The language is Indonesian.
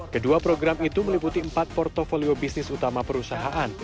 kedua program itu meliputi empat portfolio bisnis utama perusahaan